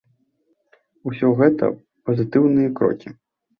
Усё гэта пазітыўныя крокі.